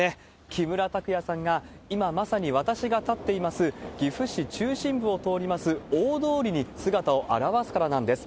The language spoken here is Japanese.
木村拓哉さんが、今まさに私が立っています、岐阜市中心部を通ります大通りに姿を現すからなんです。